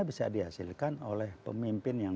bisa dihasilkan oleh pemimpin yang